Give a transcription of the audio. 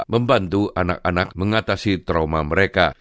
membantu anak anak mengatasi trauma mereka